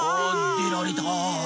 でられた！